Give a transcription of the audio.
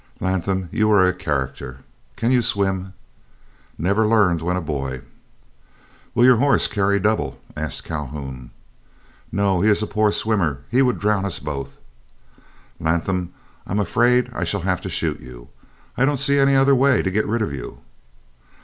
"Latham, you are a character. Can you swim?" "Never learned when a boy." "Will your horse carry double?" asked Calhoun. "No, he is a poor swimmer, he would drown us both." "Latham, I am afraid I shall have to shoot you. I don't see any other way to get rid of you."